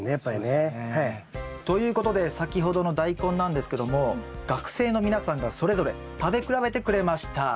そうですね。ということで先ほどのダイコンなんですけども学生の皆さんがそれぞれ食べ比べてくれました。